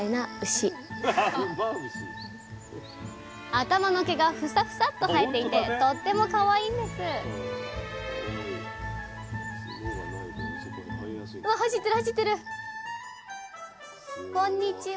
頭の毛がふさふさっと生えていてとってもかわいいんですこんにちは！